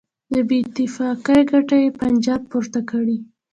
د بېاتفاقۍ ګټه یې پنجاب پورته کړي.